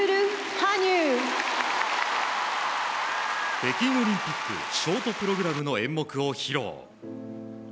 北京オリンピックショートプログラムの演目を披露。